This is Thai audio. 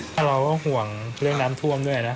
ถ้าเราก็ห่วงเรื่องน้ำท่วมด้วยนะ